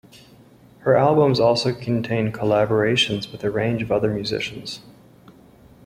Her albums also contain collaborations with a range of other musicians.